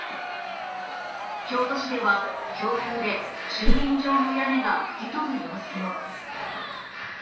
京都市では強風で駐輪場の屋根が吹き飛ぶ様子も。